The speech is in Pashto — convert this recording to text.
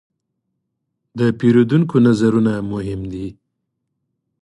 د پیرودونکو نظرونه مهم دي.